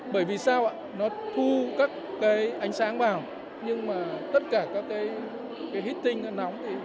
bởi vì sao ạ nó thu các ánh sáng vào nhưng mà tất cả các cái heating nóng